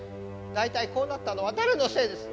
大体こうなったのは誰のせいです。